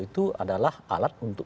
itu adalah alat untuk